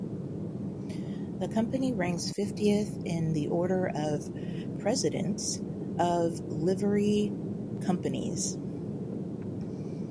The Company ranks fiftieth in the order of precedence for Livery Companies.